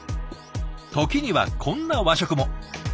時にはこんな和食も。